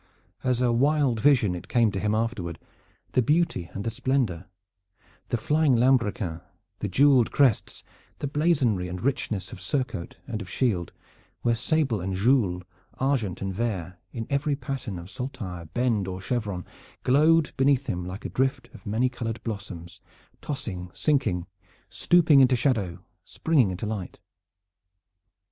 As a wild vision it came to him afterward, the beauty and the splendor, the flying lambrequins, the jeweled crests, the blazonry and richness of surcoat and of shield, where sable and gules, argent and vair, in every pattern of saltire, bend or chevron, glowed beneath him like a drift of many colored blossoms, tossing, sinking, stooping into shadow, springing into light.